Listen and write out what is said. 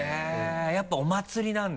やっぱお祭りなんだ。